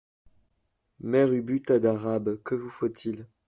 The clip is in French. Mère Ubu Tas d’Arabes, que vous faut-il ?